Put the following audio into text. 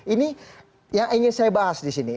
ini yang ingin saya bahas disini